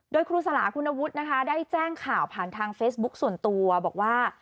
โดยครูสลาคุณวุฒินะคะได้แจ้งข่าวผ่านทางเฟซบุ๊คส่วนตัวบอกว่า